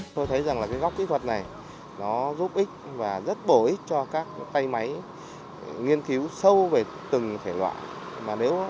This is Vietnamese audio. tôi thấy rằng góc kỹ thuật này giúp ích và rất bổ ích cho các tay máy nghiên cứu sâu về từng thể loại